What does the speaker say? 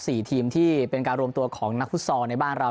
ทีมที่เป็นการรวมตัวของนักฟุตซอลในบ้านเรา